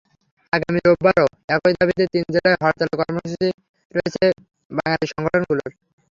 আগামী রোববারও একই দাবিতে তিন জেলায় হরতালের কর্মসূচি রয়েছে বাঙালি সংগঠনগুলোর।